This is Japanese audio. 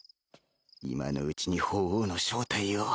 今のうちに法皇の正体を